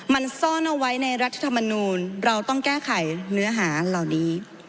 มันซ่อนเอาไว้ในรัฐธรรมนูลเราต้องแก้ไขเนื้อหาเหล่านี้